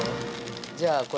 じゃあ、これ。